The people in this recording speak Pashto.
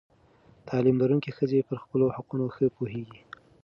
تعلیم لرونکې ښځې پر خپلو حقونو ښه پوهېږي.